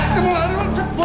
eh kamu lari